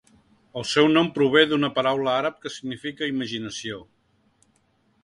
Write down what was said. El seu nom prové d'una paraula àrab que significa "imaginació".